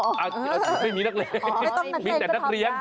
ไม่มีนักเรียงมีแต่นักเรียง